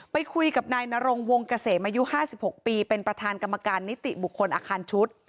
ไปคุยกับนายนรงวงเกษมอายุ๕๖ปีเป็นประธานกรรมการนิติบุคคลอาคารชุด